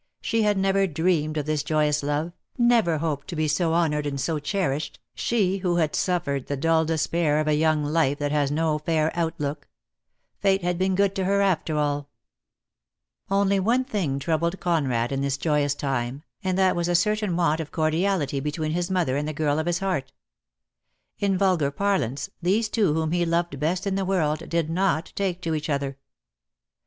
She had never dreamed of this joyous love, never hoped to be so honoured and so cherished, she DEAD LOVE HAS CHAINS. JQJ who had suffered the dull despair of a young life that has no fair outlook. Fate had been good to her after all. Only one thing troubled Conrad in this joyous time, and that was a certain want of cordiality be tween his mother and the girl of his heart. In vulgar parlance, these two whom he loved best in the world did not take to each other.